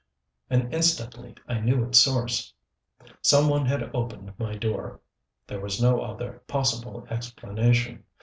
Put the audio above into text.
And instantly I knew its source. Some one had opened my door. There was no other possible explanation.